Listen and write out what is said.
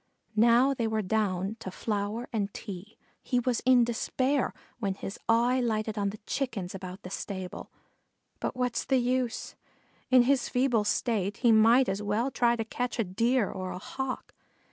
Now they were down to flour and tea. He was in despair, when his eye lighted on the Chickens about the stable; but what's the use? In his feeble state he might as well try to catch a Deer or a Hawk.